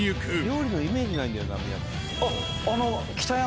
料理のイメージないんだよな。